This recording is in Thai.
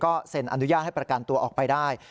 เซ็นอนุญาตให้ประกันตัวออกไปได้